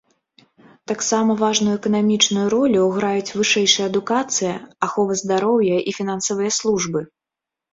Таксама важную эканамічную ролю граюць вышэйшая адукацыя, ахова здароўя і фінансавыя службы.